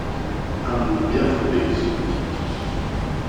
Un doute bien fondé semble-t-il…